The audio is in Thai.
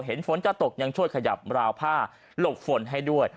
ฝนจะตกยังช่วยขยับราวผ้าหลบฝนให้ด้วย